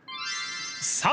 ［さあ